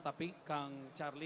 tapi kang charlie